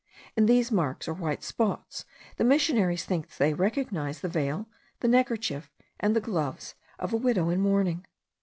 In these marks, or white spots, the missionaries think they recognize the veil, the neckerchief, and the gloves of a widow in mourning.